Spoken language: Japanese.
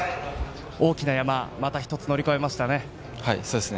大きな山また１つ乗り越えましたね。